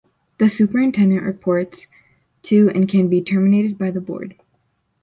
The Superintendent reports to and can be terminated by the Board.